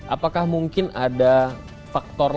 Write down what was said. apakah mungkin ada faktor